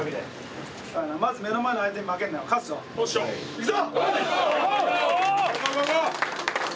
いくぞ！